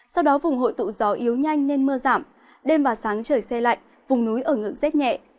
sau đó vùng hội tụ gió yếu nhanh nên mưa giảm đêm và sáng trời xe lạnh vùng núi ở ngưỡng rét nhẹ